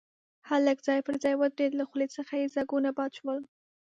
هلک ځای پر ځای ودرېد، له خولې څخه يې ځګونه باد شول.